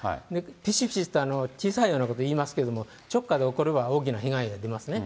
ぴしぴしと小さいようなこといいますけれども、直下で起これば大きな被害が出ますね。